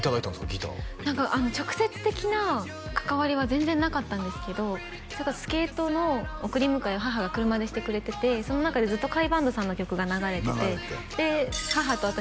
ギター何か直接的な関わりは全然なかったんですけどスケートの送り迎えを母が車でしてくれててその中でずっと甲斐バンドさんの曲が流れててで母と私